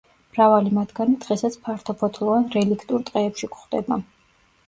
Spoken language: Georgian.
მრავალი მათგანი დღესაც ფართოფოთლოვან რელიქტურ ტყეებში გვხვდება.